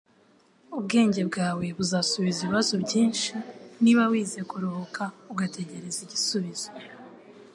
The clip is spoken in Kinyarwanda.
Ubwenge bwawe buzasubiza ibibazo byinshi niba wize kuruhuka ugategereza igisubizo.”